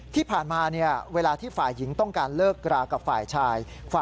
ที่ผ่านมาเวลาที่ฝ่ายหญิงต้องการเลิกรากับฝ่ายชาย